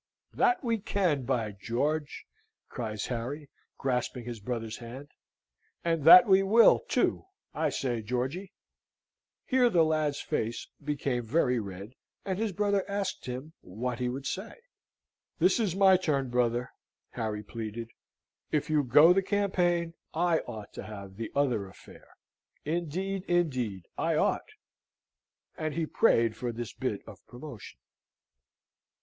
"That we can, by George!" cries Harry, grasping his brother's hand, "and that we will, too. I say, Georgy..." Here the lad's face became very red, and his brother asked him what he would say? "This is my turn, brother," Harry pleaded. "If you go the campaign, I ought to have the other affair. Indeed, indeed, I ought." And he prayed for this bit of promotion.